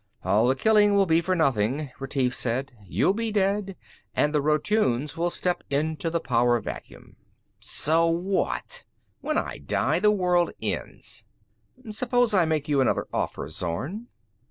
"All the killing will be for nothing," Retief said. "You'll be dead and the Rotunes will step into the power vacuum." "So what? When I die, the world ends." "Suppose I make you another offer, Zorn?"